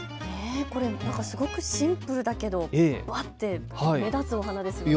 これなんかすごくシンプルだけどわって目立つお花ですね。